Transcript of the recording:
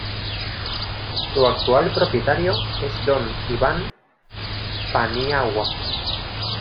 Su actual propietario es don Iván Paniagua.